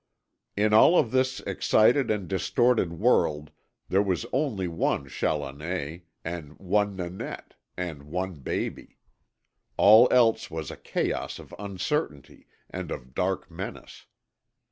In all of this excited and distorted world there was only one Challoner, and one Nanette, and one baby. All else was a chaos of uncertainty and of dark menace.